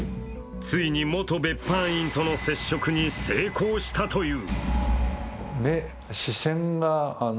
ついに元別班員との接触に成功したという。